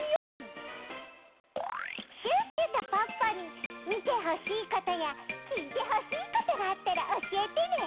シュッシュとポッポにみてほしいことやきいてほしいことがあったらおしえてね！